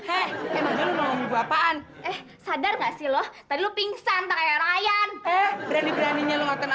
eh sadar nggak sih loh tadi pingsan terair ayan